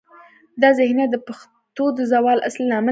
دا ذهنیت د پښتو د زوال اصلي لامل دی.